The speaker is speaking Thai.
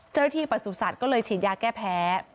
เจ้าที่ประสุทธิ์สัตว์ก็เลยฉีดยาแก้แพ้